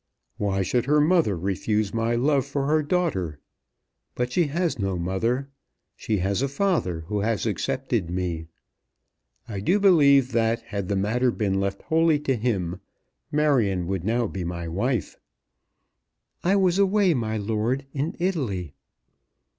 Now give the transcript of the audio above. "Why should her mother refuse my love for her daughter? But she has no mother. She has a father who has accepted me. I do believe that had the matter been left wholly to him, Marion would now be my wife." "I was away, my lord, in Italy."